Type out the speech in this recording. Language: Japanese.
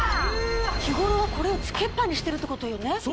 日頃はこれをつけっぱにしてるってことよね？